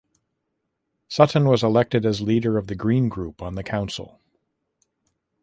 Sutton was elected as leader of the green group on the council.